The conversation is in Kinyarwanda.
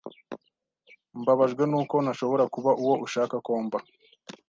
Mbabajwe nuko ntashobora kuba uwo ushaka ko mba.